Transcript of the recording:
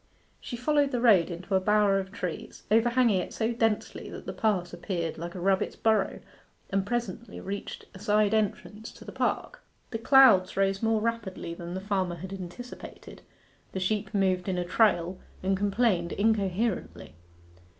She followed the road into a bower of trees, overhanging it so densely that the pass appeared like a rabbit's burrow, and presently reached a side entrance to the park. The clouds rose more rapidly than the farmer had anticipated: the sheep moved in a trail, and complained incoherently.